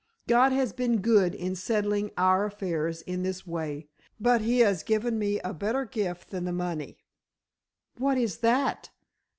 God has been good in settling our affairs in this way, but He has given me a better gift than the money." "What is that?"